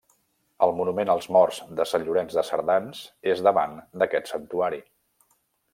El monument als morts de Sant Llorenç de Cerdans és davant d'aquest santuari.